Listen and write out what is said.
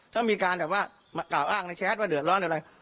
ถ้ามีการแบบว่ามากล่าวอ้างในแชทว่าเดือดร้อนอะไร